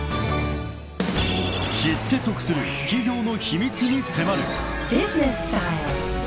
［知って得する企業の秘密に迫る］